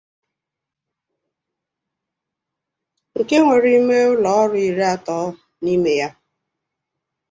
nke nwere ime ụlọọrụ iri atọ n'ime ya